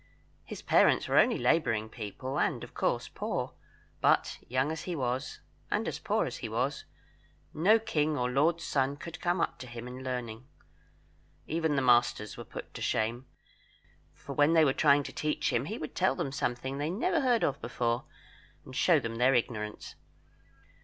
His parents were only labouring people, and of course poor; but young as he was, and as poor as he was, no king's or lord's son could come up to him in learning. Even the masters were put to shame; for when they were trying to teach him he would tell them something they never heard of before, and show them their ignorance.